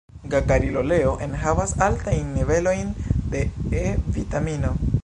Gakaril-oleo enhavas altajn nivelojn de E-vitamino.